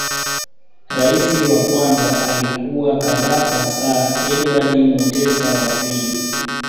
Rais wa kwanza alikuwa Kabaka Sir Edward Mutesa wa pili